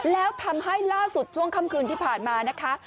แล้วทำให้ล่าสุดช่วงค่ำคืนที่ผ่านมานะคะ